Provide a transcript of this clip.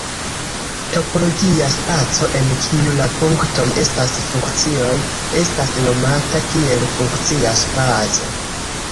Topologia spaco en kiu la "punktoj" estas funkcioj estas nomata kiel "funkcia spaco".